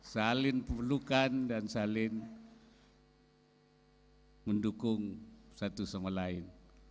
saling perlukan dan saling mendukung satu sama lain